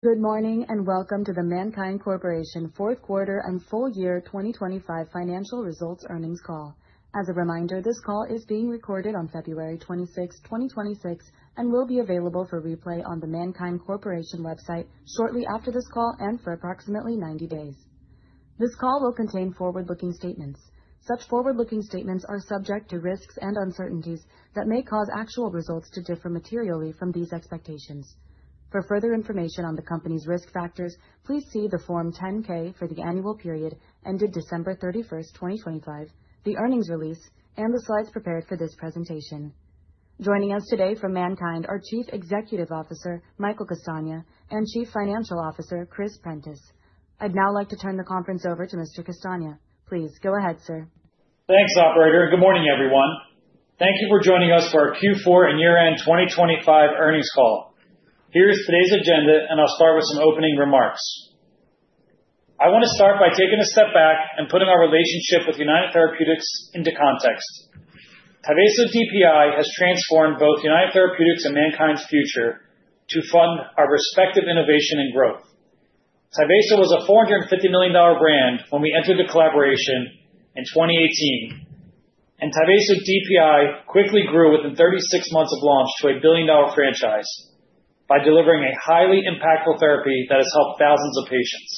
Good morning, and welcome to the MannKind Corporation Q4 and full year 2025 financial results earnings call. As a reminder, this call is being recorded on February 26, 2026, and will be available for replay on the MannKind Corporation website shortly after this call and for approximately 90 days. This call will contain forward-looking statements. Such forward-looking statements are subject to risks and uncertainties that may cause actual results to differ materially from these expectations. For further information on the company's risk factors, please see the Form 10-K for the annual period ended December 31st, 2025, the earnings release, and the slides prepared for this presentation. Joining us today from MannKind are Chief Executive Officer, Michael Castagna, and Chief Financial Officer, Chris Prentiss. I'd now like to turn the conference over to Mr. Castagna. Please go ahead, sir. Thanks, operator. Good morning, everyone. Thank you for joining us for our Q4 and year-end 2025 earnings call. Here is today's agenda. I'll start with some opening remarks. I want to start by taking a step back and putting our relationship with United Therapeutics into context. Tyvaso DPI has transformed both United Therapeutics and MannKind's future to fund our respective innovation and growth. Tyvaso was a $450 million brand when we entered the collaboration in 2018. Tyvaso DPI quickly grew within 36 months of launch to a billion-dollar franchise by delivering a highly impactful therapy that has helped thousands of patients.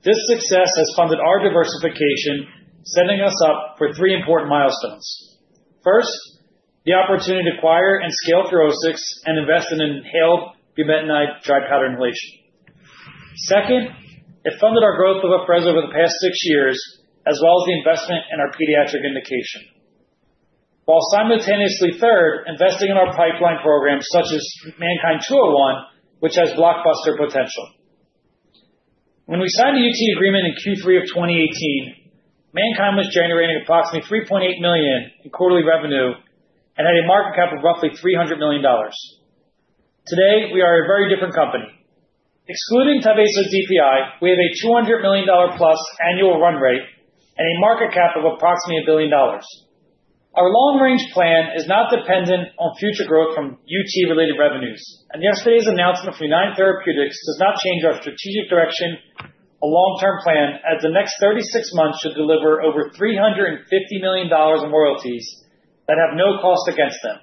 This success has funded our diversification, setting us up for three important milestones. First, the opportunity to acquire and scale FUROSCIX and invest in inhaled bumetanide dry powder inhalation. Second, it funded our growth of Afrezza over the past 6 years, as well as the investment in our pediatric indication. While simultaneously third, investing in our pipeline programs such as MNKD-201, which has blockbuster potential. When we signed the UT agreement in Q3 of 2018, MannKind was generating approximately $3.8 million in quarterly revenue and had a market cap of roughly $300 million. Today, we are a very different company. Excluding Tyvaso DPI, we have a $200 million plus annual run rate and a market cap of approximately $1 billion. Our long-range plan is not dependent on future growth from UT-related revenues. Yesterday's announcement from United Therapeutics does not change our strategic direction or long-term plan, as the next 36 months should deliver over $350 million in royalties that have no cost against them.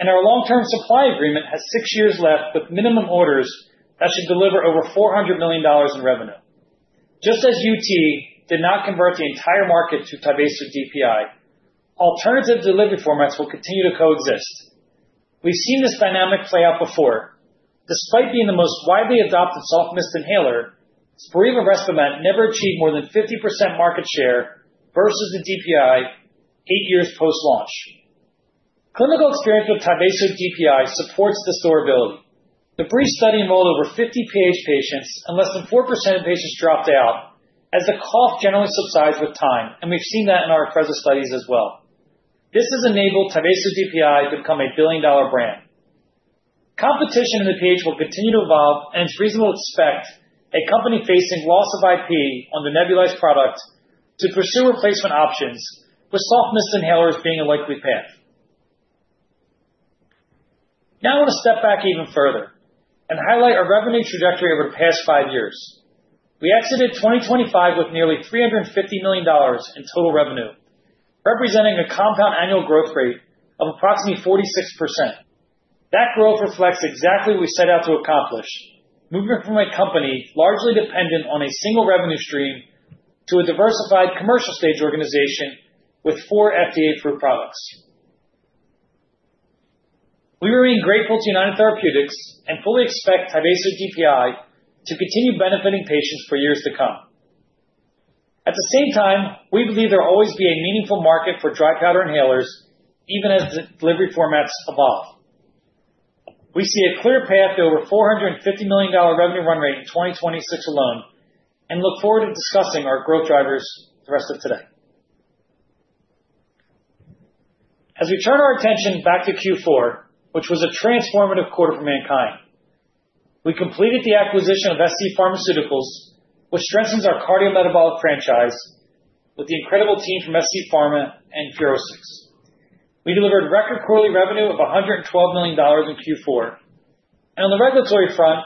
Our long-term supply agreement has six years left, with minimum orders that should deliver over $400 million in revenue. Just as UT did not convert the entire market to Tyvaso DPI, alternative delivery formats will continue to coexist. We've seen this dynamic play out before. Despite being the most widely adopted soft mist inhaler, Spiriva Respimat never achieved more than 50% market share versus the DPI eight years post-launch. Clinical experience with Tyvaso DPI supports this durability. The Bridge study enrolled over 50 PH patients, less than 4% of patients dropped out, as the cough generally subsides with time, we've seen that in our Afrezza studies as well. This has enabled Tyvaso DPI to become a billion-dollar brand. Competition in the PH will continue to evolve, it's reasonable to expect a company facing loss of IP on the nebulized product to pursue replacement options, with soft mist inhalers being a likely path. I want to step back even further and highlight our revenue trajectory over the past five years. We exited 2025 with nearly $350 million in total revenue, representing a compound annual growth rate of approximately 46%. That growth reflects exactly what we set out to accomplish, moving from a company largely dependent on a single revenue stream to a diversified commercial stage organization with four FDA-approved products. We remain grateful to United Therapeutics and fully expect Tyvaso DPI to continue benefiting patients for years to come. At the same time, we believe there will always be a meaningful market for dry powder inhalers, even as the delivery formats evolve. We see a clear path to over $450 million revenue run rate in 2026 alone and look forward to discussing our growth drivers the rest of today. As we turn our attention back to Q4, which was a transformative quarter for MannKind, we completed the acquisition of scPharmaceuticals, which strengthens our cardiometabolic franchise with the incredible team from scPharma and FUROSCIX. We delivered record quarterly revenue of $112 million in Q4. On the regulatory front,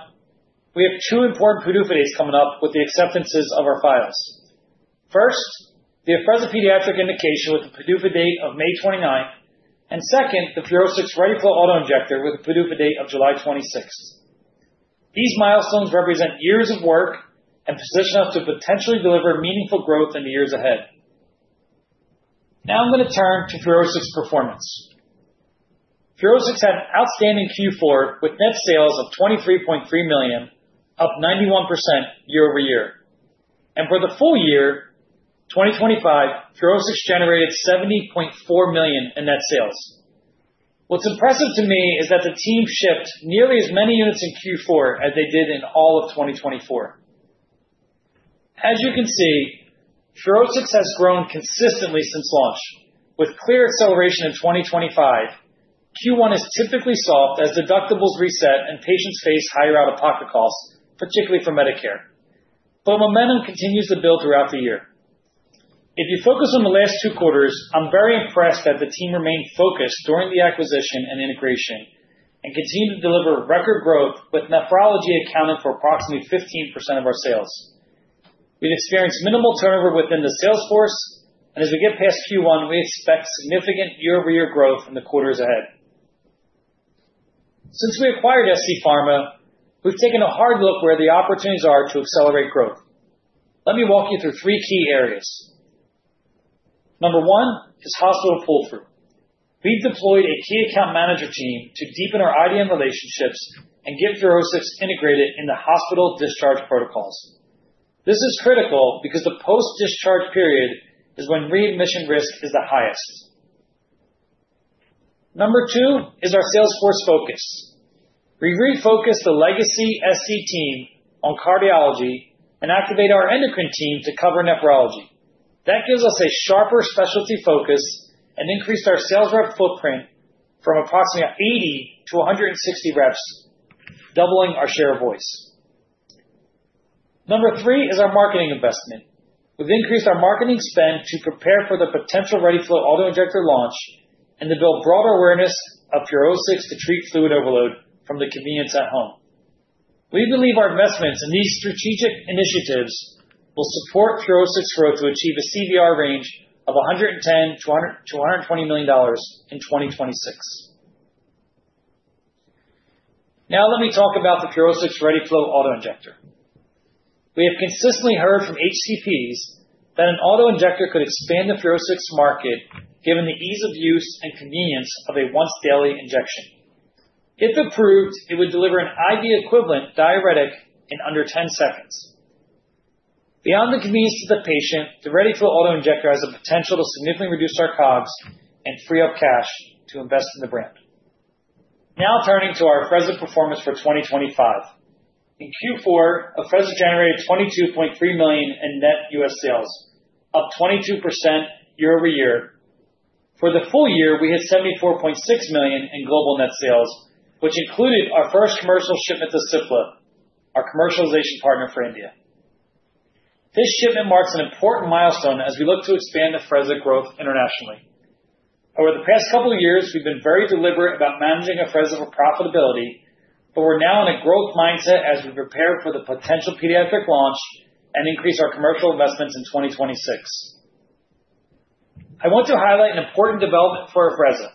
we have two important PDUFA dates coming up with the acceptances of our files. First, the Afrezza pediatric indication, with a PDUFA date of May 29, and second, the FUROSCIX ReadyFlow Autoinjector, with a PDUFA date of July 26. These milestones represent years of work and position us to potentially deliver meaningful growth in the years ahead. Now I'm going to turn to FUROSCIX's performance. FUROSCIX had an outstanding Q4, with net sales of $23.3 million, up 91% year-over-year. For the full year, 2025, FUROSCIX generated $70.4 million in net sales. What's impressive to me is that the team shipped nearly as many units in Q4 as they did in all of 2024. As you can see, FUROSCIX has grown consistently since launch, with clear acceleration in 2025. Q1 is typically soft as deductibles reset and patients face higher out-of-pocket costs, particularly for Medicare, but momentum continues to build throughout the year. If you focus on the last two quarters, I'm very impressed that the team remained focused during the acquisition and integration, and continued to deliver record growth, with nephrology accounting for approximately 15% of our sales. We've experienced minimal turnover within the sales force, and as we get past Q1, we expect significant year-over-year growth in the quarters ahead. Since we acquired scPharmaceuticals, we've taken a hard look where the opportunities are to accelerate growth. Let me walk you through three key areas. Number one is hospital pull-through. We've deployed a key account manager team to deepen our IDN relationships and get FUROSCIX integrated in the hospital discharge protocols. This is critical because the post-discharge period is when readmission risk is the highest. Number two is our sales force focus. We refocused the legacy SC team on cardiology and activate our endocrine team to cover nephrology. That gives us a sharper specialty focus and increased our sales rep footprint from approximately 80 to 160 reps, doubling our share of voice. Number three is our marketing investment. We've increased our marketing spend to prepare for the potential ReadyFlow Autoinjector launch, and to build broader awareness of FUROSCIX to treat fluid overload from the convenience at home. We believe our investments in these strategic initiatives will support FUROSCIX's growth to achieve a CBR range of $110-$100 to $120 million in 2026. Now, let me talk about the FUROSCIX ReadyFlow Autoinjector. We have consistently heard from HCPs that an auto-injector could expand the FUROSCIX market, given the ease of use and convenience of a once-daily injection. If approved, it would deliver an IV equivalent diuretic in under 10 seconds. Beyond the convenience to the patient, the ReadyFlow Autoinjector has the potential to significantly reduce our COGS and free up cash to invest in the brand. Turning to our Afrezza performance for 2025. In Q4, Afrezza generated $22.3 million in net US sales, up 22% year-over-year. For the full year, we had $74.6 million in global net sales, which included our first commercial shipment to Cipla, our commercialization partner for India. This shipment marks an important milestone as we look to expand Afrezza growth internationally. Over the past couple of years, we've been very deliberate about managing Afrezza for profitability. We're now in a growth mindset as we prepare for the potential pediatric launch and increase our commercial investments in 2026. I want to highlight an important development for Afrezza.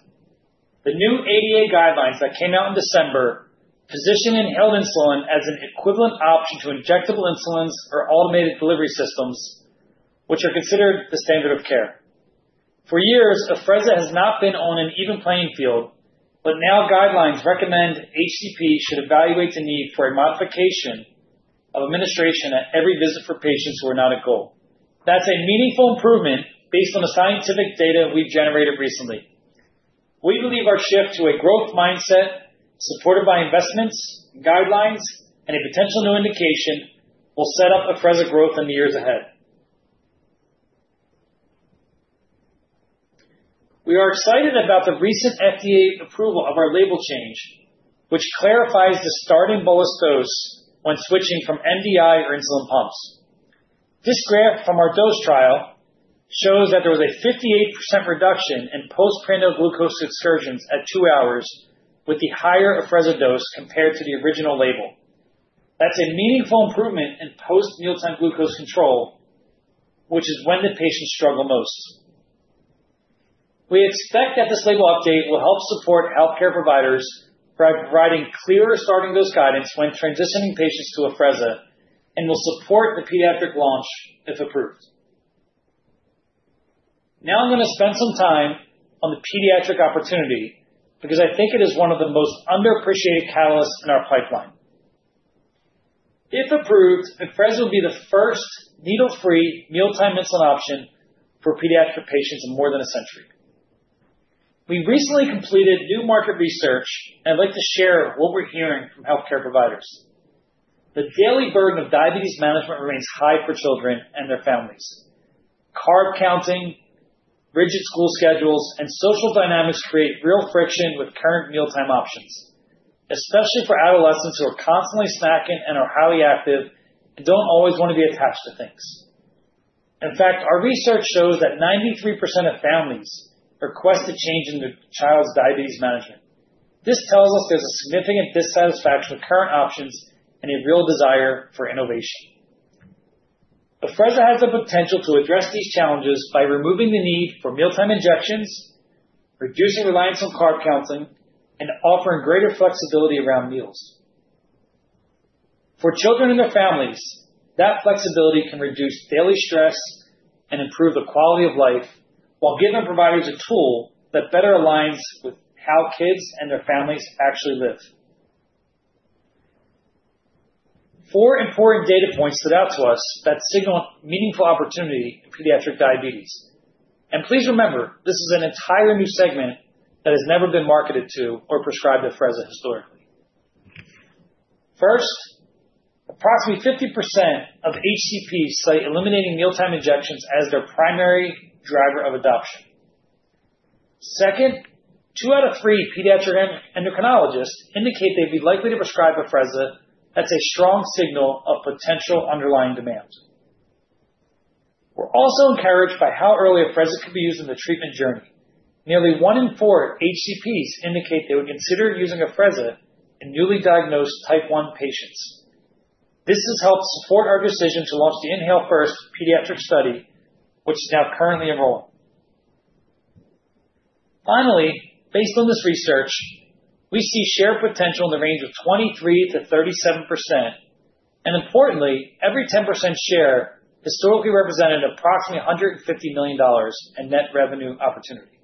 The new ADA guidelines that came out in December, positioning inhaled insulin as an equivalent option to injectable insulins or automated delivery systems, which are considered the standard of care. For years, Afrezza has not been on an even playing field. Now guidelines recommend HCPs should evaluate the need for a modification of administration at every visit for patients who are not at goal. That's a meaningful improvement based on the scientific data we've generated recently. We believe our shift to a growth mindset, supported by investments, guidelines, and a potential new indication, will set up Afrezza growth in the years ahead. We are excited about the recent FDA approval of our label change, which clarifies the starting bolus dose when switching from MDI or insulin pumps. This graph from our dose trial shows that there was a 58% reduction in postprandial glucose excursions at two hours with the higher Afrezza dose compared to the original label. That's a meaningful improvement in post-mealtime glucose control, which is when the patients struggle most. We expect that this label update will help support healthcare providers by providing clearer starting dose guidance when transitioning patients to Afrezza, and will support the pediatric launch, if approved. I'm going to spend some time on the pediatric opportunity, because I think it is one of the most underappreciated catalysts in our pipeline. If approved, Afrezza will be the first needle-free mealtime insulin option for pediatric patients in more than a century. We recently completed new market research, and I'd like to share what we're hearing from healthcare providers. The daily burden of diabetes management remains high for children and their families. Carb counting, rigid school schedules, and social dynamics create real friction with current mealtime options, especially for adolescents who are constantly snacking and are highly active and don't always want to be attached to things. In fact, our research shows that 93% of families request a change in their child's diabetes management. This tells us there's a significant dissatisfaction with current options and a real desire for innovation. Afrezza has the potential to address these challenges by removing the need for mealtime injections, reducing reliance on carb counting, and offering greater flexibility around meals. For children and their families, that flexibility can reduce daily stress and improve the quality of life, while giving providers a tool that better aligns with how kids and their families actually live. Four important data points stood out to us that signal meaningful opportunity in pediatric diabetes. Please remember, this is an entirely new segment that has never been marketed to or prescribed Afrezza historically. First, approximately 50% of HCPs cite eliminating mealtime injections as their primary driver of adoption. Second, two out of three pediatric endocrinologists indicate they'd be likely to prescribe Afrezza. That's a strong signal of potential underlying demand. We're also encouraged by how early Afrezza could be used in the treatment journey. Nearly one in four HCPs indicate they would consider using Afrezza in newly diagnosed Type 1 patients. This has helped support our decision to launch the INHALE-1 pediatric study, which is now currently enrolling. Finally, based on this research, we see share potential in the range of 23%-37%, and importantly, every 10% share historically represented approximately $150 million in net revenue opportunity.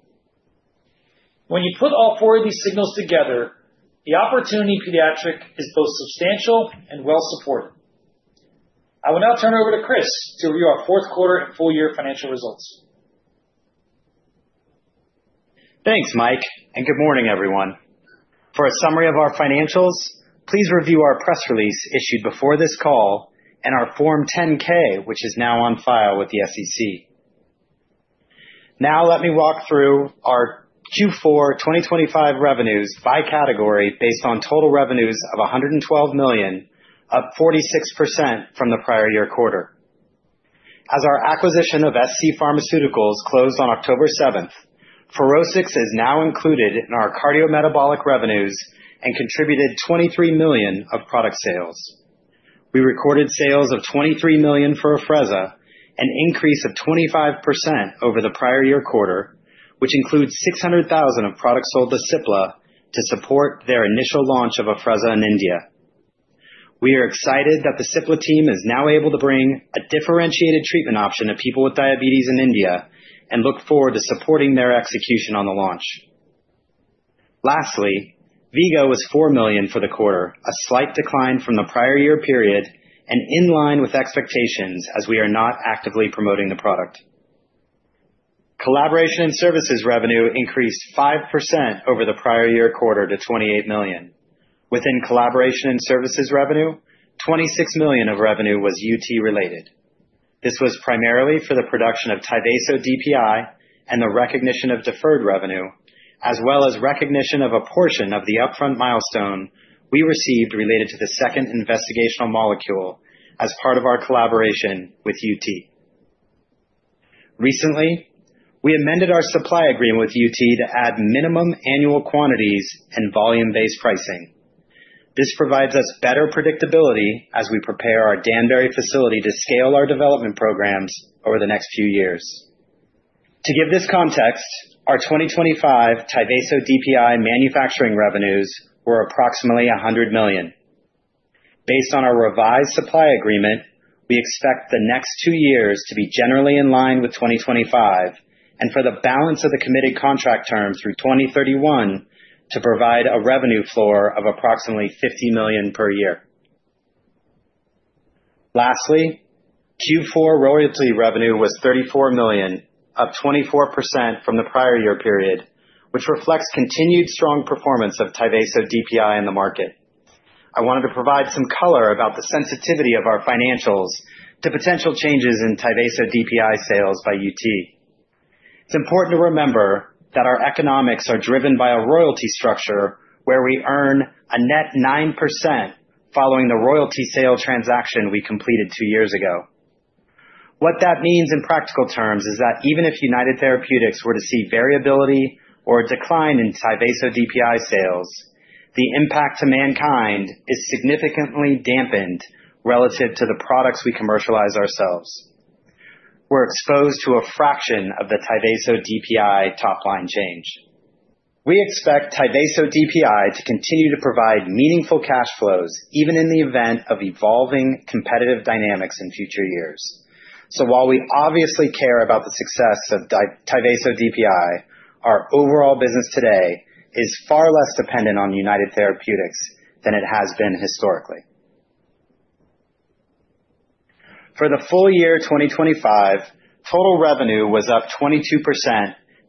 When you put all four of these signals together, the opportunity in pediatric is both substantial and well supported. I will now turn it over to Chris to review our Q4 and full year financial results. Thanks, Mike. Good morning, everyone. For a summary of our financials, please review our press release issued before this call and our Form 10-K, which is now on file with the SEC. Let me walk through our Q4 2025 revenues by category, based on total revenues of $112 million, up 46% from the prior year quarter. As our acquisition of scPharmaceuticals closed on October 7th, FUROSCIX is now included in our cardiometabolic revenues and contributed $23 million of product sales. We recorded sales of $23 million for Afrezza, an increase of 25% over the prior year quarter, which includes $600,000 of products sold to Cipla to support their initial launch of Afrezza in India. We are excited that the Cipla team is now able to bring a differentiated treatment option to people with diabetes in India and look forward to supporting their execution on the launch. Lastly, V-Go was $4 million for the quarter, a slight decline from the prior year period and in line with expectations as we are not actively promoting the product. Collaboration and services revenue increased 5% over the prior year quarter to $28 million. Within collaboration and services revenue, $26 million of revenue was UT related. This was primarily for the production of Tyvaso DPI and the recognition of deferred revenue, as well as recognition of a portion of the upfront milestone we received related to the second investigational molecule as part of our collaboration with UT. Recently, we amended our supply agreement with UT to add minimum annual quantities and volume-based pricing. This provides us better predictability as we prepare our Danbury facility to scale our development programs over the next few years. To give this context, our 2025 Tyvaso DPI manufacturing revenues were approximately $100 million. Based on our revised supply agreement, we expect the next two years to be generally in line with 2025, and for the balance of the committed contract term through 2031 to provide a revenue floor of approximately $50 million per year. Lastly, Q4 royalty revenue was $34 million, up 24% from the prior year period, which reflects continued strong performance of Tyvaso DPI in the market. I wanted to provide some color about the sensitivity of our financials to potential changes in Tyvaso DPI sales by UT. It's important to remember that our economics are driven by a royalty structure where we earn a net 9% following the royalty sale transaction we completed two years ago. What that means in practical terms is that even if United Therapeutics were to see variability or a decline in Tyvaso DPI sales, the impact to MannKind is significantly dampened relative to the products we commercialize ourselves. We're exposed to a fraction of the Tyvaso DPI top line change. We expect Tyvaso DPI to continue to provide meaningful cash flows, even in the event of evolving competitive dynamics in future years. While we obviously care about the success of Tyvaso DPI, our overall business today is far less dependent on United Therapeutics than it has been historically. For the full year 2025, total revenue was up 22%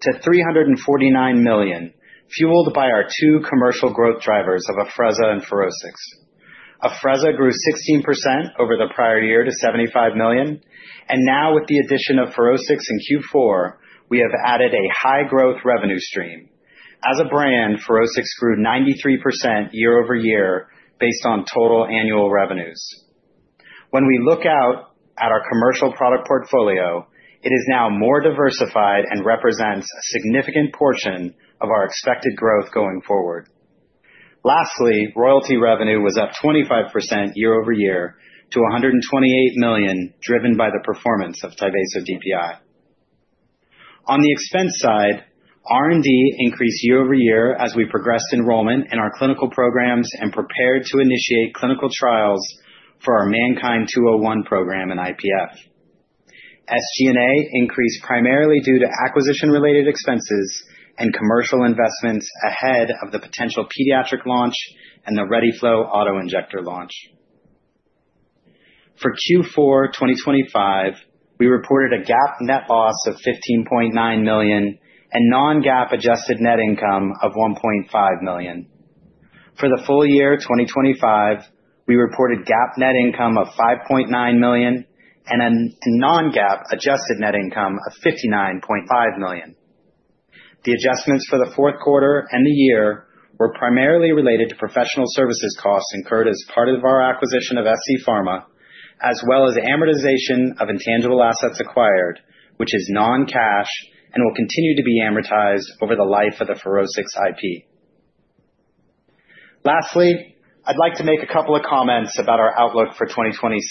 to $349 million, fueled by our two commercial growth drivers of Afrezza and FUROSCIX. Afrezza grew 16% over the prior year to $75 million, and now with the addition of FUROSCIX in Q4, we have added a high growth revenue stream. As a brand, FUROSCIX grew 93% year-over-year based on total annual revenues. When we look out at our commercial product portfolio, it is now more diversified and represents a significant portion of our expected growth going forward. Lastly, royalty revenue was up 25% year-over-year to $128 million, driven by the performance of Tyvaso DPI. On the expense side, R&D increased year-over-year as we progressed enrollment in our clinical programs and prepared to initiate clinical trials for our MannKind 201 program in IPF. SG&A increased primarily due to acquisition-related expenses and commercial investments ahead of the potential pediatric launch and the ReadyFlow Autoinjector launch. For Q4 2025, we reported a GAAP net loss of $15.9 million and non-GAAP adjusted net income of $1.5 million. For the full year 2025, we reported GAAP net income of $5.9 million and a non-GAAP adjusted net income of $59.5 million. The adjustments for the Q4 and the year were primarily related to professional services costs incurred as part of our acquisition of scPharma, as well as amortization of intangible assets acquired, which is non-cash and will continue to be amortized over the life of the FUROSCIX IP. I'd like to make a couple of comments about our outlook for 2026.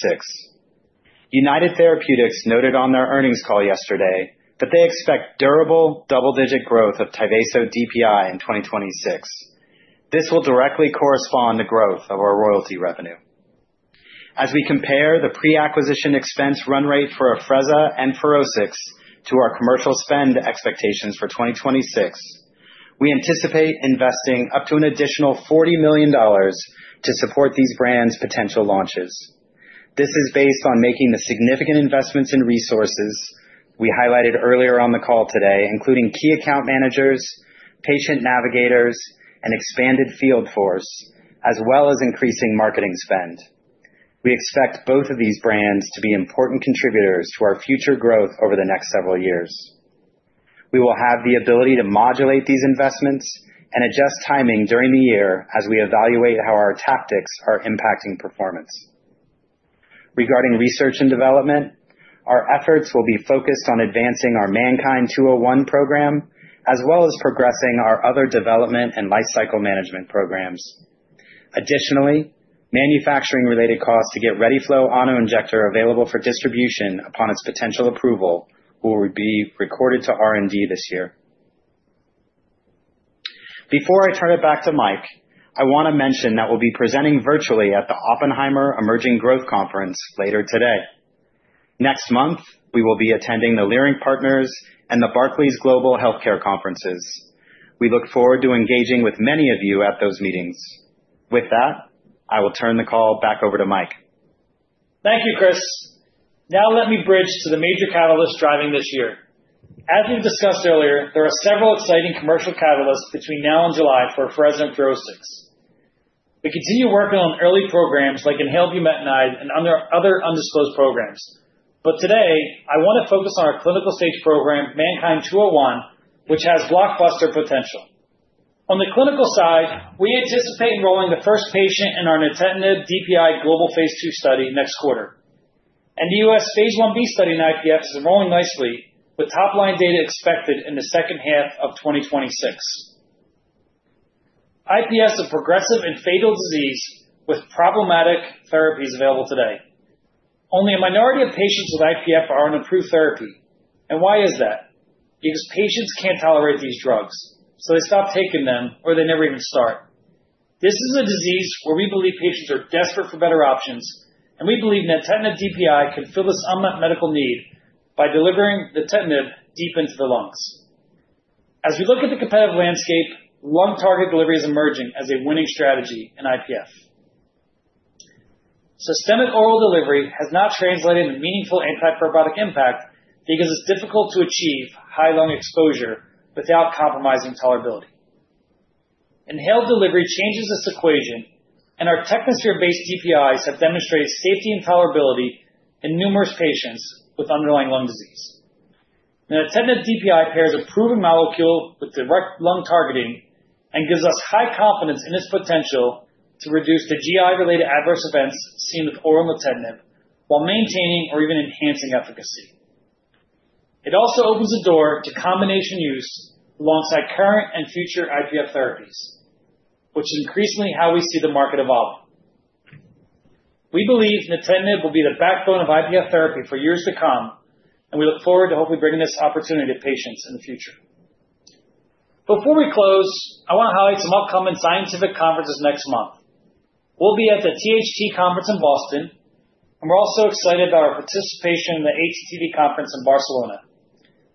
United Therapeutics noted on their earnings call yesterday that they expect durable double-digit growth of Tyvaso DPI in 2026. This will directly correspond to growth of our royalty revenue. As we compare the pre-acquisition expense run rate for Afrezza and FUROSCIX to our commercial spend expectations for 2026, we anticipate investing up to an additional $40 million to support these brands' potential launches. This is based on making the significant investments in resources we highlighted earlier on the call today, including key account managers, patient navigators, and expanded field force, as well as increasing marketing spend. We expect both of these brands to be important contributors to our future growth over the next several years. We will have the ability to modulate these investments and adjust timing during the year as we evaluate how our tactics are impacting performance. Regarding research and development, our efforts will be focused on advancing our MannKind 201 program, as well as progressing our other development and lifecycle management programs. Additionally, manufacturing-related costs to get ReadyFlow Autoinjector available for distribution upon its potential approval will be recorded to R&D this year. Before I turn it back to Mike, I want to mention that we'll be presenting virtually at the Oppenheimer Emerging Growth Conference later today. Next month, we will be attending the Leerink Partners and the Barclays Global Healthcare Conferences. We look forward to engaging with many of you at those meetings. With that, I will turn the call back over to Mike. Thank you, Chris. Now let me bridge to the major catalyst driving this year. As we've discussed earlier, there are several exciting commercial catalysts between now and July for Afrezza and FUROSCIX. We continue working on early programs like inhaled bumetanide and other undisclosed programs. Today, I want to focus on our clinical stage program, MannKind 201, which has blockbuster potential. On the clinical side, we anticipate enrolling the first patient in our nintedanib DPI global phase 2 study next quarter. The U.S. phase 1b study in IPF is enrolling nicely, with top-line data expected in the second half of 2026. IPF is a progressive and fatal disease with problematic therapies available today. Only a minority of patients with IPF are on approved therapy. Why is that? Because patients can't tolerate these drugs, so they stop taking them or they never even start. This is a disease where we believe patients are desperate for better options, and we believe nintedanib DPI can fill this unmet medical need by delivering the nintedanib deep into the lungs. As we look at the competitive landscape, lung target delivery is emerging as a winning strategy in IPF. Systemic oral delivery has not translated into meaningful antibiotic impact because it's difficult to achieve high lung exposure without compromising tolerability. Inhaled delivery changes this equation, and our Technosphere-based DPIs have demonstrated safety and tolerability in numerous patients with underlying lung disease. Nintedanib DPI pairs a proven molecule with direct lung targeting and gives us high confidence in its potential to reduce the GI-related adverse events seen with oral nintedanib while maintaining or even enhancing efficacy. It also opens the door to combination use alongside current and future IPF therapies, which is increasingly how we see the market evolving. We believe nintedanib will be the backbone of IPF therapy for years to come, and we look forward to hopefully bringing this opportunity to patients in the future. Before we close, I want to highlight some upcoming scientific conferences next month. We'll be at the THT conference in Boston, and we're also excited about our participation in the HCTP conference in Barcelona.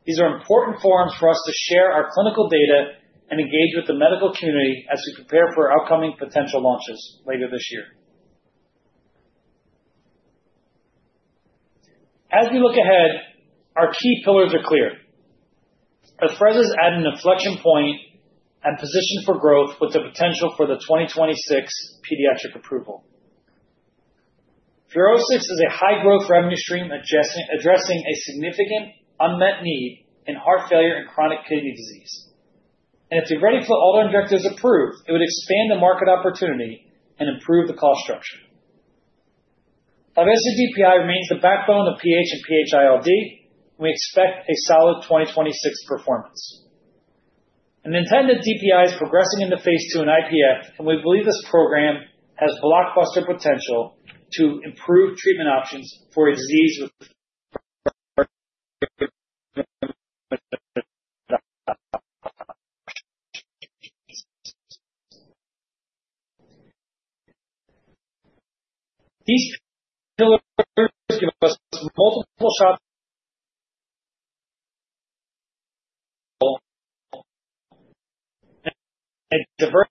These are important forums for us to share our clinical data and engage with the medical community as we prepare for upcoming potential launches later this year. As we look ahead, our key pillars are clear. Afrezza is at an inflection point and positioned for growth with the potential for the 2026 pediatric approval. FUROSCIX is a high-growth revenue stream addressing a significant unmet need in heart failure and chronic kidney disease. If the ReadyFlow Autoinjector is approved, it would expand the market opportunity and improve the cost structure. Tyvaso DPI remains the backbone of PH and PH-ILD. We expect a solid 2026 performance. nintedanib DPI is progressing into phase 2 in IPF, and we believe this program has blockbuster potential to improve treatment options for a disease with these pillars give us multiple shots a diverse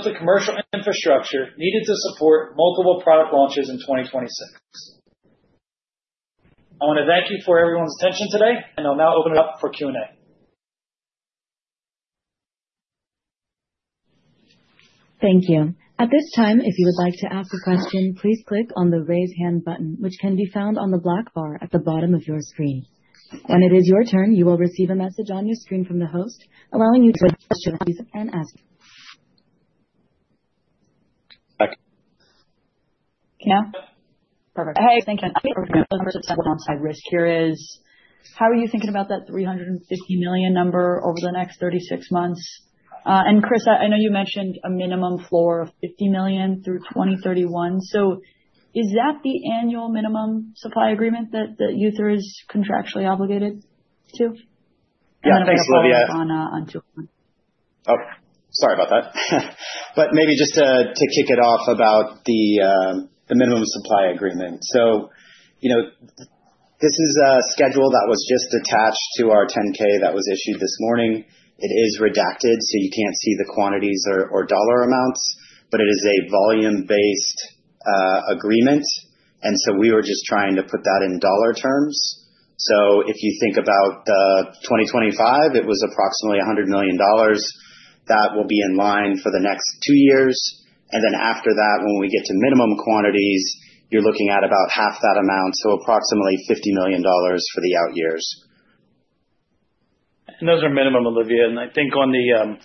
growth profile over the years ahead. As I reflect on 2025, I'm incredibly proud of what we accomplished. We completed the transformative acquisition investment and the integration is going extremely smoothly. The record revenue advanced our pipeline and built the commercial infrastructure needed to support multiple product launches in 2026. I want to thank you for everyone's attention today, and I'll now open it up for Q&A. Thank you. At this time, if you would like to ask a question, please click on the Raise Hand button, which can be found on the black bar at the bottom of your screen. When it is your turn, you will receive a message on your screen from the host, allowing you to unmute yourself and ask. Yeah? Perfect. Hey, thank you. Downside risk here is, how are you thinking about that $350 million number over the next 36 months? Chris, I know you mentioned a minimum floor of $50 million through 2031. Is that the annual minimum supply agreement that UT is contractually obligated to? Yeah, thanks, Olivia. On 2. Sorry about that. Maybe just to kick it off about the minimum supply agreement. You know, this is a schedule that was just attached to our 10-K that was issued this morning. It is redacted, so you can't see the quantities or dollar amounts, but it is a volume-based agreement, and so we were just trying to put that in dollar terms. If you think about 2025, it was approximately $100 million. That will be in line for the next two years, and then after that, when we get to minimum quantities, you're looking at about half that amount, so approximately $50 million for the out years. Those are minimum, Olivia, and I think on the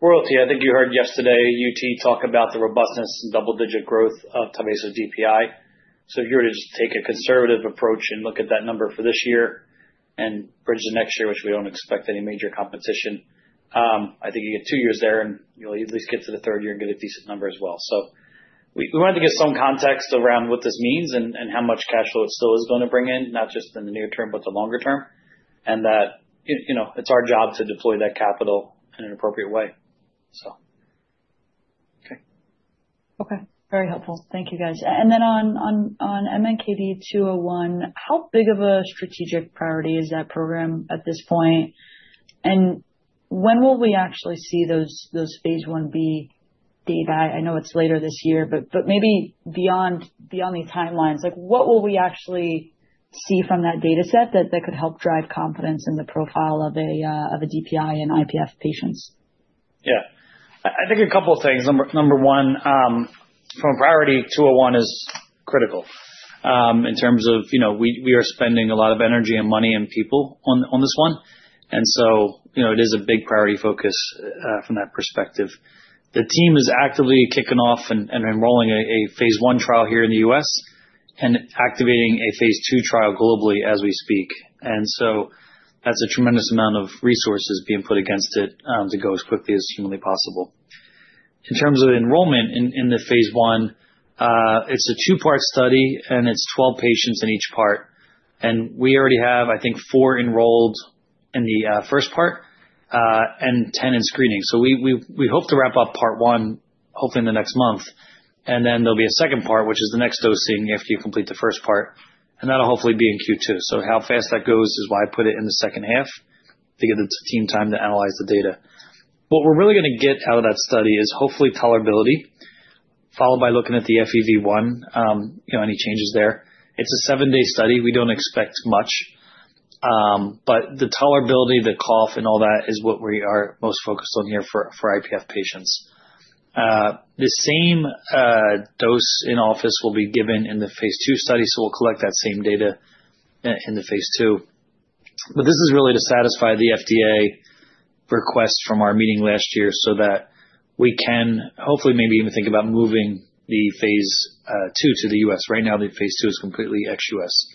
royalty, you heard yesterday, UT talk about the robustness and double-digit growth of Tyvaso's DPI. If you were to just take a conservative approach and look at that number for this year and bridge the next year, which we don't expect any major competition, I think you get two years there, and you'll at least get to the 3rd year and get a decent number as well. We wanted to give some context around what this means and how much cash flow it still is going to bring in, not just in the near term, but the longer term, and that, you know, it's our job to deploy that capital in an appropriate way. Okay. Okay. Very helpful. Thank you, guys. Then on MNKD-201, how big of a strategic priority is that program at this point? When will we actually see those phase 1B data? I know it's later this year, but maybe beyond these timelines. Like, what will we actually see from that data set that could help drive confidence in the profile of a DPI in IPF patients? Yeah. I think a couple of things. Number one, from a priority, 201 is critical. In terms of, you know, we are spending a lot of energy and money and people on this one, you know, it is a big priority focus from that perspective. The team is actively kicking off and enrolling a phase 1 trial here in the U.S. and activating a phase 2 trial globally as we speak. That's a tremendous amount of resources being put against it to go as quickly as humanly possible. In terms of enrollment in the phase 1, it's a two-part study, and it's 12 patients in each part, we already have, I think, four enrolled in the first part, and 10 in screening. We hope to wrap up part one, hopefully in the next month, and then there'll be a second part, which is the next dosing after you complete the 1st part, and that'll hopefully be in Q2. How fast that goes is why I put it in the 2nd half, to give the team time to analyze the data. What we're really gonna get out of that study is hopefully tolerability, followed by looking at the FEV1, you know, any changes there. It's a 7-day study. We don't expect much, but the tolerability, the cough and all that is what we are most focused on here for IPF patients. The same dose in office will be given in the phase 2 study, so we'll collect that same data in the phase 2. This is really to satisfy the FDA request from our meeting last year, so that we can hopefully, maybe even think about moving the phase 2 to the U.S. Right now, the phase 2 is completely ex-U.S.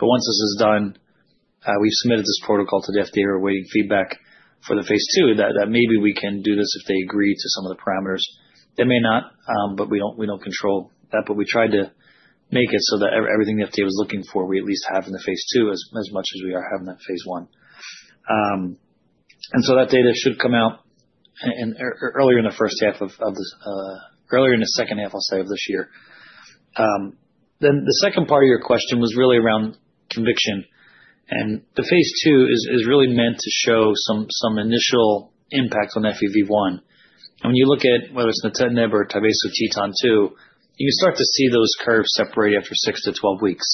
Once this is done, we've submitted this protocol to the FDA. We're awaiting feedback for the phase 2, that maybe we can do this if they agree to some of the parameters. They may not, we don't control that. We tried to make it so that everything the FDA was looking for, we at least have in the phase 2 as much as we are having that phase 1. So that data should come out in earlier in the first half of this, earlier in the second half, I'll say, of this year. The second part of your question was really around conviction, the phase 2 is really meant to show some initial impact on FEV1. When you look at whether it's nintedanib or Tyvaso TETON-2, you start to see those curves separate after 6-12 weeks.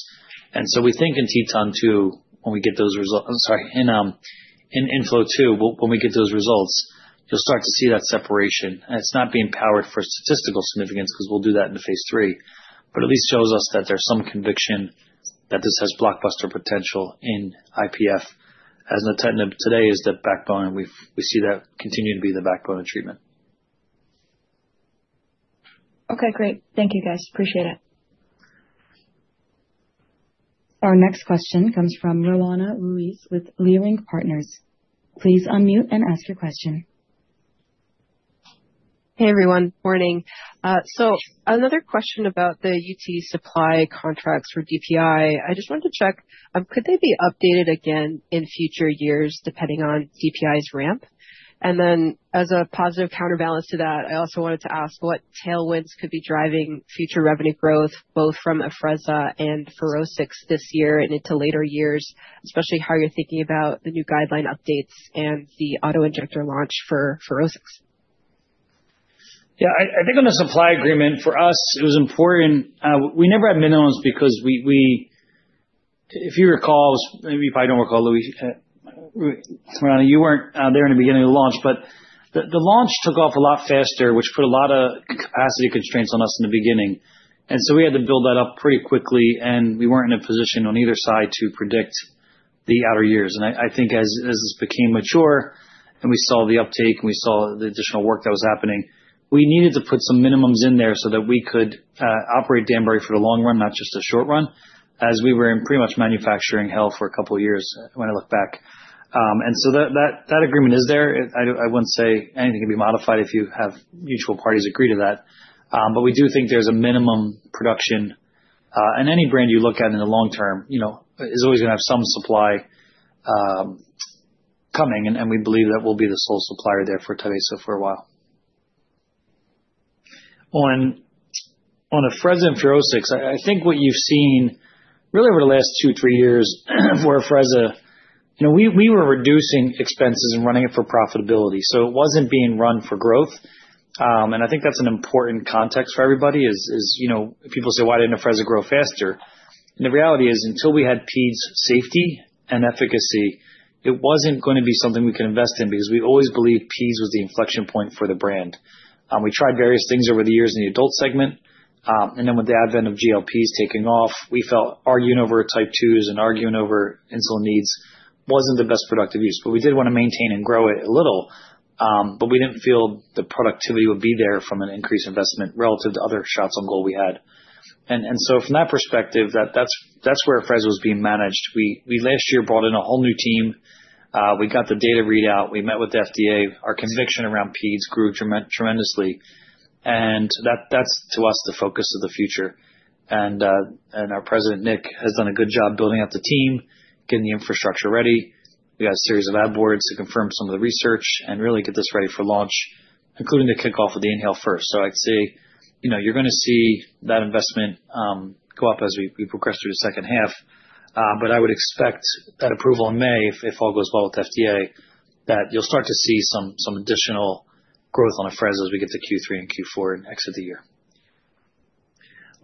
We think in TETON-2, when we get those results, I'm sorry, in INFLO-2, when we get those results, you'll start to see that separation. It's not being powered for statistical significance, because we'll do that in the phase 3, but at least shows us that there's some conviction. This has blockbuster potential in IPF, as nintedanib today is the backbone, and we see that continuing to be the backbone of treatment. Okay, great. Thank you, guys. Appreciate it. Our next question comes from Roanna Ruiz with Leerink Partners. Please unmute and ask your question. Hey, everyone. Morning. Another question about the UT supply contracts for DPI. I just wanted to check, could they be updated again in future years, depending on DPI's ramp? As a positive counterbalance to that, I also wanted to ask what tailwinds could be driving future revenue growth, both from Afrezza and FUROSCIX this year and into later years, especially how you're thinking about the new guideline updates and the auto injector launch for FUROSCIX? I think on the supply agreement, for us, it was important. We never had minimums because we, if you recall, maybe if I don't recall, Louise, Roana, you weren't there in the beginning of the launch, but the launch took off a lot faster, which put a lot of capacity constraints on us in the beginning. We had to build that up pretty quickly, and we weren't in a position on either side to predict the outer years. I think as this became mature and we saw the uptake and we saw the additional work that was happening, we needed to put some minimums in there so that we could operate Danbury for the long run, not just the short run, as we were in pretty much manufacturing hell for a couple of years when I look back. So that agreement is there. I wouldn't say anything can be modified if you have mutual parties agree to that. We do think there's a minimum production, and any brand you look at in the long term, you know, is always going to have some supply coming, and we believe that we'll be the sole supplier there for Tyvaso for a while. On Afrezza and FUROSCIX, I think what you've seen really over the last two, three years for Afrezza, you know, we were reducing expenses and running it for profitability, so it wasn't being run for growth. I think that's an important context for everybody, is, you know, people say: Why didn't Afrezza grow faster? The reality is, until we had Peds safety and efficacy, it wasn't going to be something we could invest in because we always believed Peds was the inflection point for the brand. We tried various things over the years in the adult segment, and then with the advent of GLP-1s taking off, we felt arguing over Type 2s and arguing over insulin needs wasn't the best productive use. We did want to maintain and grow it a little, but we didn't feel the productivity would be there from an increased investment relative to other shots on goal we had. So from that perspective, that's where Afrezza was being managed. We last year brought in a whole new team. We got the data readout. We met with the FDA. Our conviction around Peds grew tremendously, and that's, to us, the focus of the future. Our president, Nick, has done a good job building out the team, getting the infrastructure ready. We had a series of ad boards to confirm some of the research and really get this ready for launch, including the kickoff of the INHALE-1. I'd say, you know, you're going to see that investment go up as we progress through the second half. I would expect that approval in May, if all goes well with the FDA, that you'll start to see some additional growth on Afrezza as we get to Q3 and Q4 next of the year.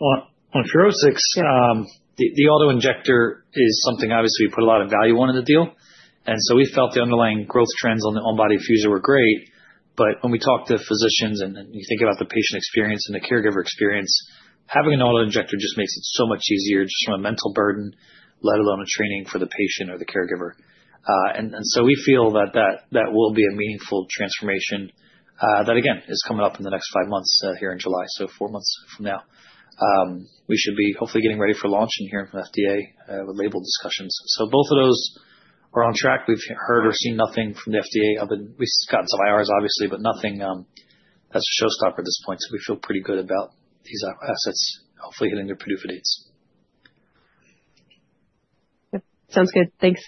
On FUROSCIX, the auto injector is something obviously we put a lot of value on in the deal, we felt the underlying growth trends on the On-body Infusor were great. When we talk to physicians and you think about the patient experience and the caregiver experience, having an auto injector just makes it so much easier, just from a mental burden, let alone a training for the patient or the caregiver. We feel that will be a meaningful transformation that again, is coming up in the next 5 months here in July. 4 months from now, we should be hopefully getting ready for launch and hearing from FDA with label discussions. Both of those are on track. We've heard or seen nothing from the FDA other than we've gotten some IRs, obviously, but nothing that's a showstopper at this point. We feel pretty good about these assets hopefully getting their PDUFA dates. Sounds good. Thanks.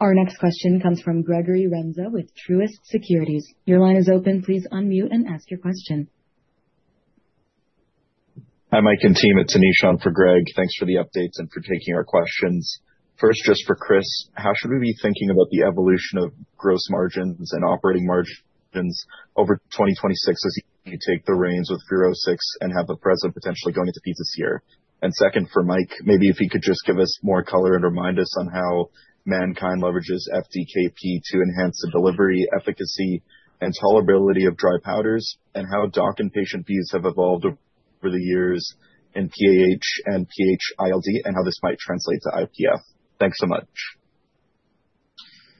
Our next question comes from Gregory Renza with Truist Securities. Your line is open. Please unmute and ask your question. Hi, Michael Castagna and team. It's Anish on for Gregory Renza. Thanks for the updates and for taking our questions. First, just for Chris Prentiss, how should we be thinking about the evolution of gross margins and operating margins over 2026 as you take the reins with FUROSCIX and have Afrezza potentially going into Peds this year? Second, for Michael Castagna, maybe if you could just give us more color and remind us on how MannKind leverages FDKP to enhance the delivery, efficacy, and tolerability of dry powders, and how doc and patient fees have evolved over the years in PAH and PH-ILD, and how this might translate to IPF. Thanks so much.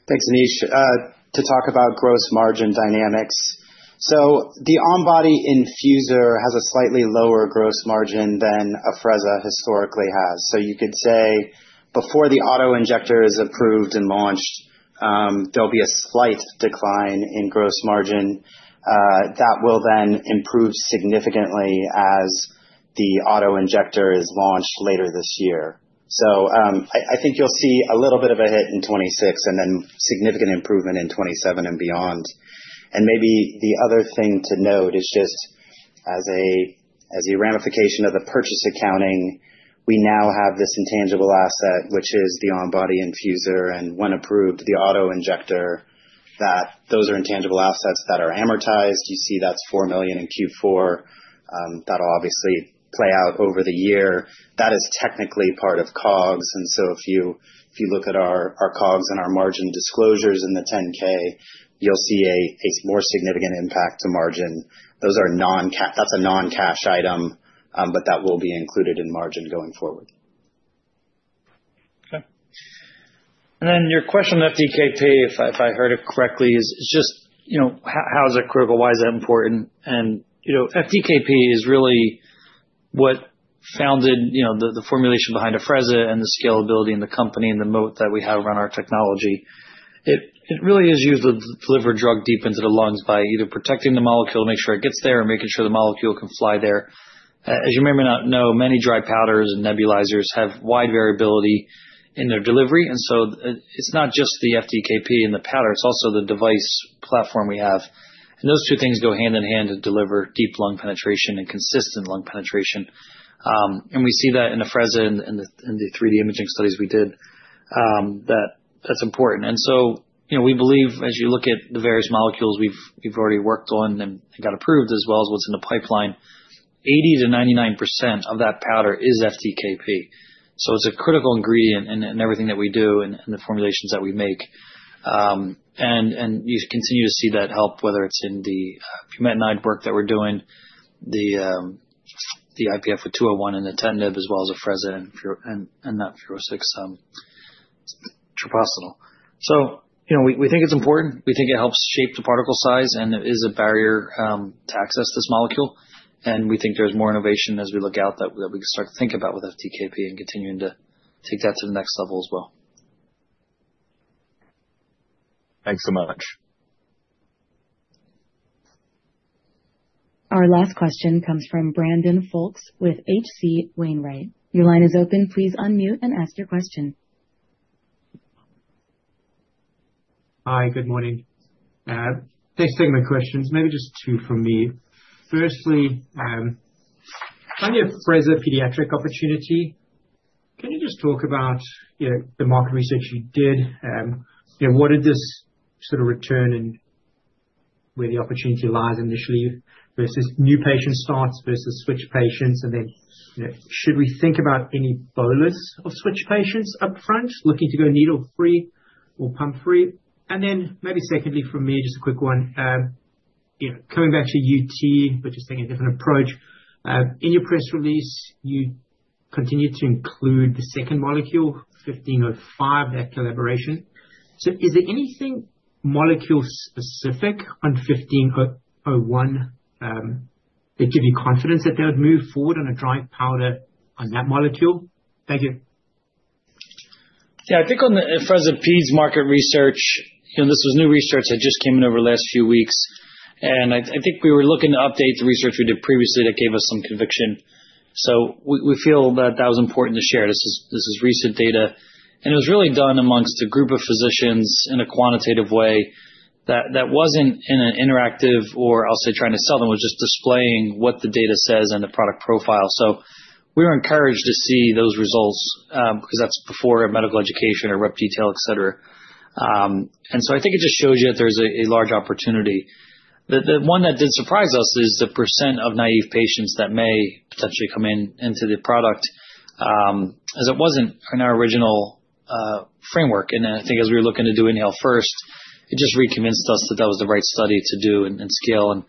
Thanks, Anish. To talk about gross margin dynamics, the On-body Infusor has a slightly lower gross margin than Afrezza historically has. You could say, before the auto injector is approved and launched, there'll be a slight decline in gross margin, that will then improve significantly as the auto injector is launched later this year. I think you'll see a little bit of a hit in 2026 and then significant improvement in 2027 and beyond. Maybe the other thing to note is just as a ramification of the purchase accounting, we now have this intangible asset, which is the On-body Infusor, and when approved, the auto injector, that those are intangible assets that are amortized. You see, that's $4 million in Q4. That'll obviously play out over the year. That is technically part of COGS, and so if you, if you look at our COGS and our margin disclosures in the 10-K, you'll see a more significant impact to margin. That's a non-cash item, but that will be included in margin going forward. Okay. Your question on FDKP, if I heard it correctly, is just, you know, how is that critical? Why is that important? You know, FDKP is really what founded, you know, the formulation behind Afrezza and the scalability and the company and the moat that we have around our technology. It really is used to deliver drug deep into the lungs by either protecting the molecule, make sure it gets there, or making sure the molecule can fly there. As you may or may not know, many dry powders and nebulizers have wide variability in their delivery, so it's not just the FDKP and the powder, it's also the device platform we have. Those two things go hand in hand to deliver deep lung penetration and consistent lung penetration. We see that in Afrezza, in the 3D imaging studies we did, that's important. You know, we believe, as you look at the various molecules we've already worked on and got approved, as well as what's in the pipeline, 80%-99% of that powder is FDKP. It's a critical ingredient in everything that we do and the formulations that we make. You continue to see that help, whether it's in the bumetanide work that we're doing, the IPF for 201 and the nintedanib, as well as Afrezza and that FUROSCIX, treprostinil. You know, we think it's important. We think it helps shape the particle size, and it is a barrier to access this molecule. We think there's more innovation as we look out, that we start to think about with FDKP and continuing to take that to the next level as well. Thanks so much. Our last question comes from Brandon Folkes with H.C. Wainwright. Your line is open. Please unmute and ask your question. Hi, good morning. Thanks for taking my questions. Maybe just two from me. Firstly, on your Afrezza pediatric opportunity, can you just talk about, you know, the market research you did? You know, what did this sort of return, and where the opportunity lies initially versus new patient starts versus switch patients? You know, should we think about any bolus of switch patients up front, looking to go needle-free or pump-free? Maybe secondly, for me, just a quick one. You know, coming back to UT, but just taking a different approach, in your press release, you continued to include the second molecule, 1505, that collaboration. Is there anything molecule-specific on 1501, that give you confidence that they would move forward on a dry powder on that molecule? Thank you. Yeah, I think on the Afrezza Peds market research, you know, this was new research that just came in over the last few weeks, and I think we were looking to update the research we did previously that gave us some conviction. We feel that that was important to share. This is recent data, and it was really done amongst a group of physicians in a quantitative way that wasn't in an interactive or I'll say, trying to sell them. It was just displaying what the data says and the product profile. We were encouraged to see those results, 'cause that's before medical education or rep detail, et cetera. I think it just shows you that there's a large opportunity. The one that did surprise us is the percent of naive patients that may potentially come into the product, as it wasn't in our original framework. I think as we were looking to do INHALE-1, it just re-convinced us that that was the right study to do and scale, and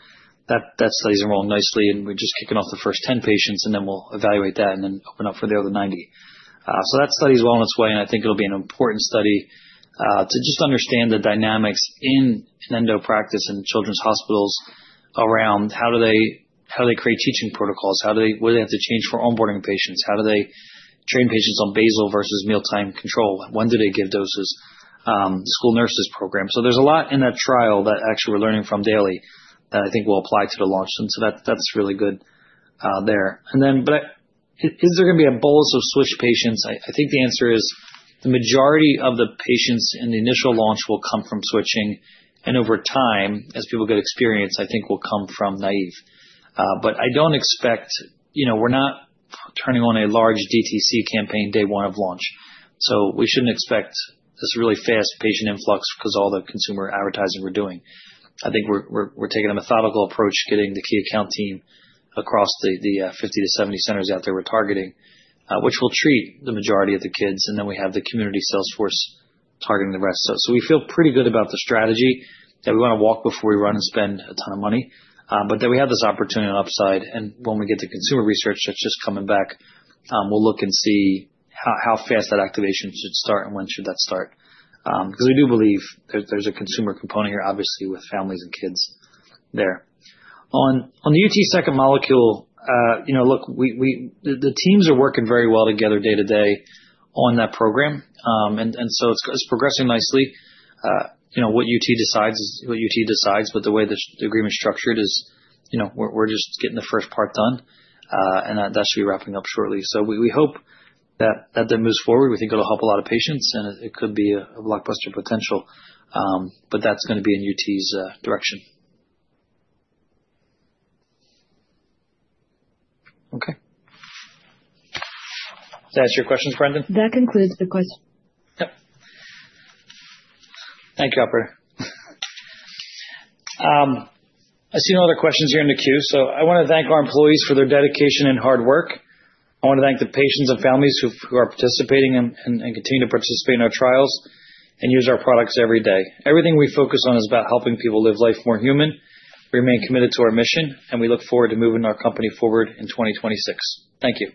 that study's enrolled nicely, and we're just kicking off the first 10 patients, and then we'll evaluate that and then open up for the other 90. That study is well on its way, and I think it'll be an important study to just understand the dynamics in endo practice and children's hospitals around how they create teaching protocols, What do they have to change for onboarding patients? How do they train patients on basal versus mealtime control? When do they give doses? The school nurses program. There's a lot in that trial that actually we're learning from daily that I think will apply to the launch. That, that's really good there. Is there gonna be a bolus of switch patients? I think the answer is: The majority of the patients in the initial launch will come from switching, and over time, as people get experience, I think will come from naive. I don't expect, you know, we're not turning on a large DTC campaign day one of launch, so we shouldn't expect this really fast patient influx because all the consumer advertising we're doing. I think we're taking a methodical approach, getting the key account team across the 50-70 centers out there we're targeting, which will treat the majority of the kids, and then we have the community sales force targeting the rest. We feel pretty good about the strategy, that we want to walk before we run and spend a ton of money, but then we have this opportunity on upside, and when we get to consumer research, that's just coming back, we'll look and see how fast that activation should start and when should that start. Because we do believe there's a consumer component here, obviously, with families and kids there. On the UT second molecule, you know, look. The teams are working very well together day to day on that program. It's progressing nicely. You know, what UT decides is what UT decides, but the way the agreement is structured is, you know, we're just getting the first part done, and that should be wrapping up shortly. We hope that then moves forward. We think it'll help a lot of patients, and it could be a blockbuster potential, but that's gonna be in UT's direction. Okay. Does that answer your questions, Brandon? That concludes the questions. Yep. Thank you, operator. I see no other questions here in the queue, so I want to thank our employees for their dedication and hard work. I want to thank the patients and families who are participating and continue to participate in our trials and use our products every day. Everything we focus on is about helping people live life more human. We remain committed to our mission, and we look forward to moving our company forward in 2026. Thank you.